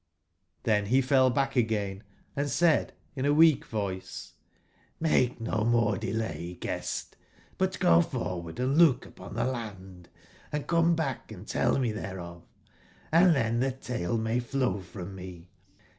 ''^Ilben befell back again, and said in a weak voice : ''JVIake no more delay, guest, but go forward and look upon tbe land, and come back and tell me tbereof , and tben tbe tale may flow from me.